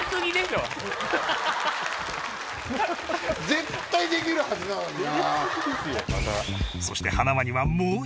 絶対できるはずなのにな。